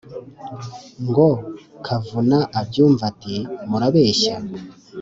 ngo kavuna abyumve ati : murabeshya